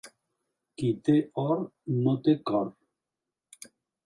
Qui té or no té cor.